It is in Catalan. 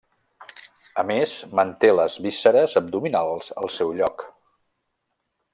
A més, manté les vísceres abdominals al seu lloc.